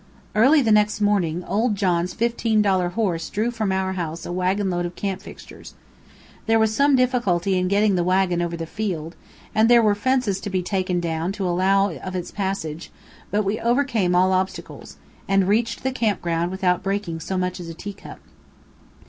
Early the next morning, old John's fifteen dollar horse drew from our house a wagon load of camp fixtures. There was some difficulty in getting the wagon over the field, and there were fences to be taken down to allow of its passage; but we overcame all obstacles, and reached the camp ground without breaking so much as a teacup.